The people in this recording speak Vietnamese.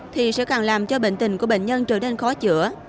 thì sẽ càng làm cho bệnh tình của bệnh nhân trở nên khó chữa